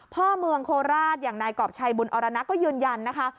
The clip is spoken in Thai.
พ่อเมืองโคราชอย่างนายกรอบชัยบุญอรณะก็ยืนยันนะคะ